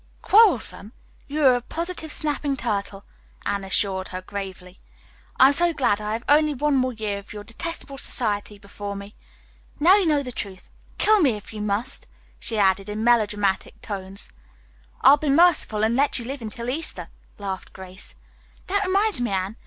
"Quarrelsome? You are a positive snapping turtle," Anne assured her gravely. "I am so glad I have only one more year of your detestable society before me. Now you know the truth. Kill me if you must," she added in melodramatic tones. "I'll be merciful and let you live until after Easter," laughed Grace. "That reminds me, Anne.